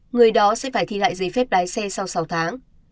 người đó sẽ phải thi lại giấy phép lái xe sau sáu tháng